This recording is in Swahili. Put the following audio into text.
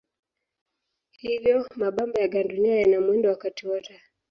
Hivyo mabamba ya gandunia yana mwendo wakati wote.